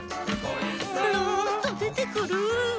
「ぬっとでてくる」